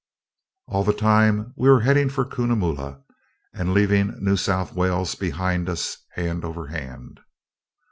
All the time we were heading for Cunnamulla, and leaving New South Wales behind us hand over hand.